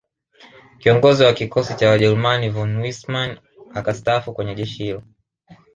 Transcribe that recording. Kiongozi wa Kikosi cha Wajerumani von Wissmann akastaafu kwenye jeshi hilo